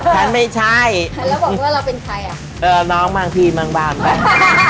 แทนไม่ใช่แล้วบอกว่าเราเป็นใครอ่ะเออน้องบางทีบางบางแบบ